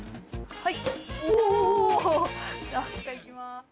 はい。